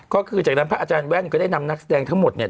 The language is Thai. ก็คือจากนั้นพระอาจารย์แว่นก็ได้นำนักแสดงทั้งหมดเนี่ย